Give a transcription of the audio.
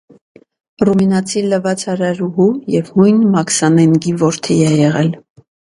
Ռումինացի լվացարարուհու և հույն մաքսանենգի որդի է եղել։